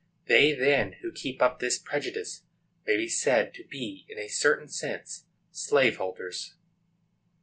They, then, who keep up this prejudice, may be said to be, in a certain sense, slave holders.